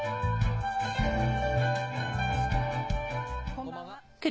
こんばんは。